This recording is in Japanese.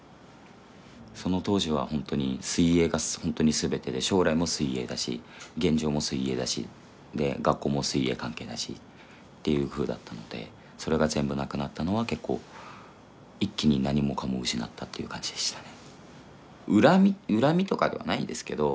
その当時はほんとに水泳が全てで将来も水泳だし現状も水泳だしで学校も水泳関係だしっていうふうだったのでそれが全部なくなったのは結構一気に何もかも失ったっていう感じでしたね。